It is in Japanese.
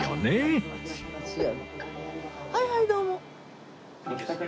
はいはいどうも。